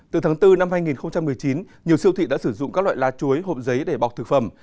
từ tháng bốn năm hai nghìn một mươi chín nhiều siêu thị đã sử dụng các loại lá chuối hộp giấy để bọc thực phẩm